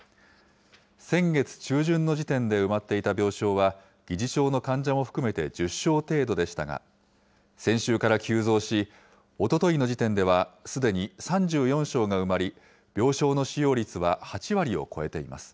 先月中旬の時点で埋まっていた病床は、疑似症の患者も含めて１０床程度でしたが、先週から急増し、おとといの時点ではすでに３４床が埋まり、病床の使用率は８割を超えています。